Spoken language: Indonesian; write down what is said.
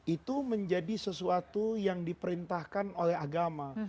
itu menjadi sesuatu yang diperintahkan oleh agama